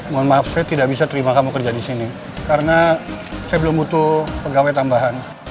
mohon maaf saya tidak bisa terima kamu kerja di sini karena saya belum butuh pegawai tambahan